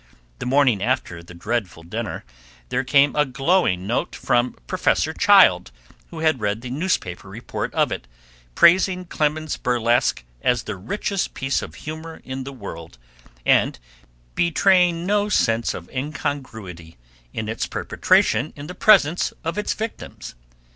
The morning after the dreadful dinner there came a glowing note from Professor Child, who had read the newspaper report of it, praising Clemens's burlesque as the richest piece of humor in the world, and betraying no sense of incongruity in its perpetration in the presence of its victims.